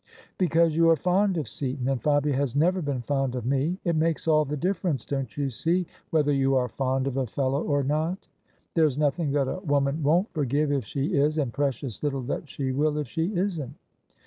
" Because you are fond of Seaton ; and Fabia has never been fond of me. It makes all the difference, don't you see, whether you are fond of a fellow or not? There's nothing that a woman won't forgive if she is: and precious little that she will if she isn't."